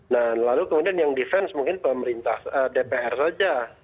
nah lalu kemudian yang defense mungkin pemerintah dpr saja